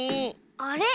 あれ？